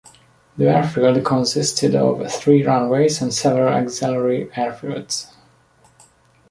The airfield consisted of three runways and several auxiliary airfields.